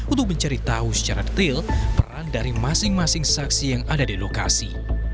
untuk mencari tahu secara detail peran dari masing masing saksi yang ada di lokasi